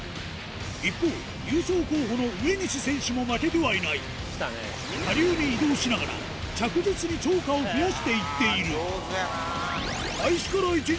一方優勝候補の上西選手も負けてはいない下流に移動しながら着実に釣果を増やしていっている上手やな。